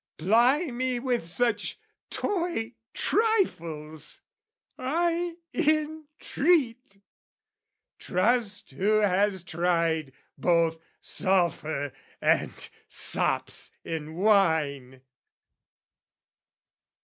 Ply me with such toy trifles, I entreat! Trust who has tried both sulphur and sops in wine!